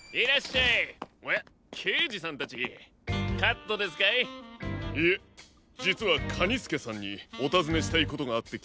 いえじつはカニスケさんにおたずねしたいことがあってきました。